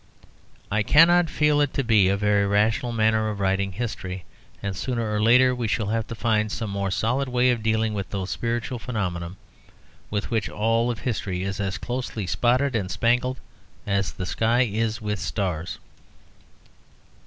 I cannot feel it to be a very rational manner of writing history; and sooner or later we shall have to find some more solid way of dealing with those spiritual phenomena with which all history is as closely spotted and spangled as the sky is with stars.